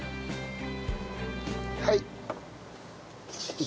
はい！